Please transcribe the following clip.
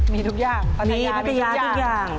มีทุกอย่างพัทยามีทุกอย่าง